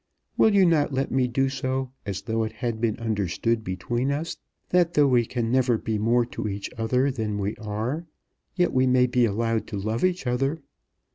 Will you not let me do so, as though it had been understood between us, that though we can never be more to each other than we are, yet we may be allowed to love each other?